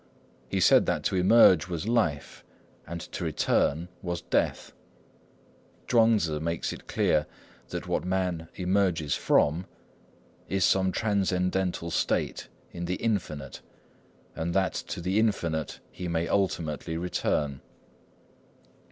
He said that to emerge was life, and to return was death. Chuang Tzŭ makes it clear that what man emerges from is some transcendental state in the Infinite; and that to the Infinite he may ultimately return.